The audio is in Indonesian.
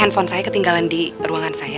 handphone saya ketinggalan di ruangan saya